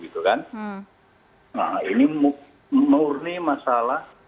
nah ini murni masalah